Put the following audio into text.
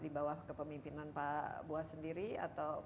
di bawah kepemimpinan pak buas sendiri atau